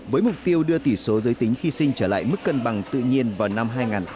với mục tiêu đưa tỷ số giới tính khi sinh trở lại mức cân bằng tự nhiên vào năm hai nghìn ba mươi